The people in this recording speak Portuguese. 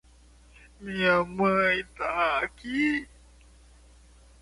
Minha mãe tá aqui